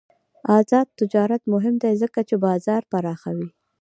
آزاد تجارت مهم دی ځکه چې بازار پراخوي.